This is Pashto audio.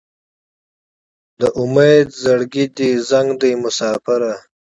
د امید زړګی دې زنګ دی مساپره